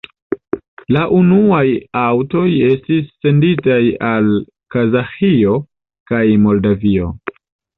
La unuaj aŭtoj estis senditaj al Kazaĥio kaj Moldavio.